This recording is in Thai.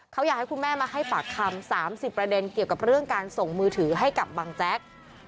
เขาอยากให้คุณแม่มาให้ปากคำ๓๐ประเด็นเกี่ยวกับเรื่องการส่งมือถือให้กับบังแจ๊ก